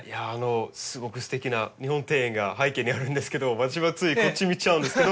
すごくすてきな日本庭園が背景にあるんですけど私はついこっち見ちゃうんですけど。